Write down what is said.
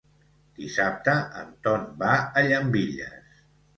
Dissabte en Ton va a Llambilles.